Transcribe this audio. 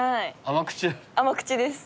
甘口です。